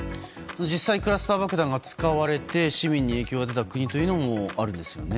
実際クラスター爆弾が使われて、市民に影響が出た国もあるんですよね？